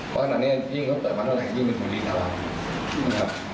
เพราะขณะนี้ยิ่งเขาเปิดมาต้นไล่ยิ่งมีผลิตราวาน